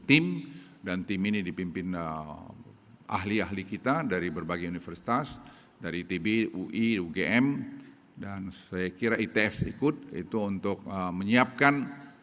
tim dan tim ini dipimpin ahli ahli kita dari berbagai universitas dari itb ui ugm dan saya kira itf ikut itu untuk menyiapkan